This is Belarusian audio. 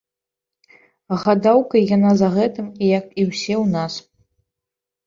Гадаўка яна за гэтым, як і ўсе ў нас.